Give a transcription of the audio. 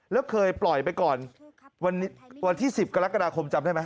แล้วเคยปล่อยไปก่อนวันที่๑๐กรกฎาคมจำได้ไหม